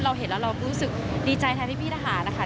เห็นแล้วเรารู้สึกดีใจแทนพี่ทหารนะคะ